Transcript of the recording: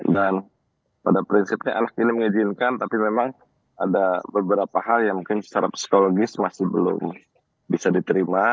dan pada prinsipnya anak ini mengizinkan tapi memang ada beberapa hal yang mungkin secara psikologis masih belum bisa diterima